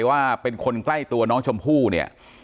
ว่าเป็นคนใกล้ตัวน้องชมพู่เนี่ย